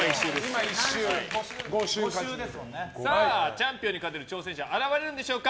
チャンピオンに勝てる挑戦者は現れるんでしょうか。